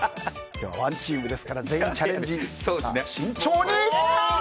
ワンチームですから全員チャレンジ、慎重に！